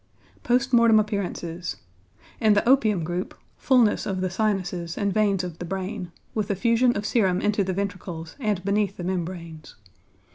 Post Mortem Appearances. In the opium group, fulness of the sinuses and veins of the brain, with effusion of serum into the ventricles and beneath the membranes.